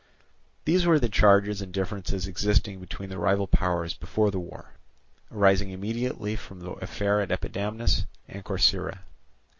These were the charges and differences existing between the rival powers before the war, arising immediately from the affair at Epidamnus and Corcyra.